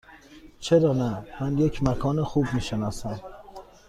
چرا نه؟ من یک مکان خوب می شناسم.